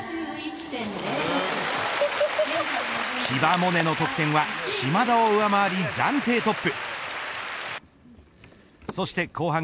千葉百音の得点は島田を上回り、暫定トップ。